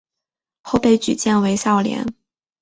后被举荐为孝廉。